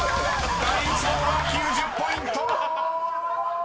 ［第１問は９０ポイント！］